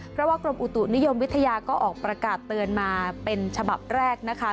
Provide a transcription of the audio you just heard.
เพราะว่ากรมอุตุนิยมวิทยาก็ออกประกาศเตือนมาเป็นฉบับแรกนะคะ